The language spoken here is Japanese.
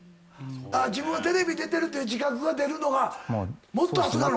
自分はテレビ出てるっていう自覚が出るのがもっと後なのか。